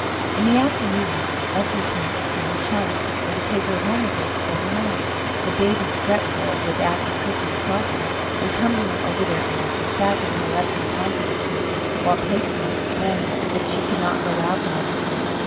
In the afternoon Esther came to see her chum, and to take her home with her to spend the night. The babies, fretful with after Christmas crossness, were tumbling over their aunt, and sadly interrupting confidences, while Peggy explained that she could not go out that evening.